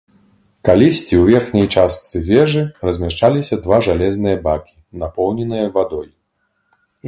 Калісьці ў верхняй частцы вежы размяшчаліся два жалезныя бакі, напоўненыя вадой.